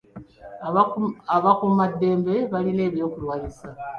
Abakuumaddembe balina eby'okulwanisa.